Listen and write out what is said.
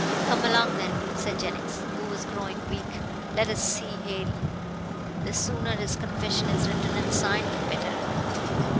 "Come along then," said Jennings, who was growing weak, "let us see Hale. The sooner his confession is written and signed the better."